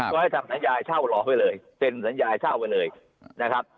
ก็ให้ทำสัญญาเช่ารอไว้เลยเซ็นสัญญาเช่าไว้เลยนะครับ